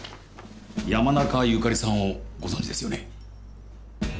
山中由佳里さんをご存じですよね？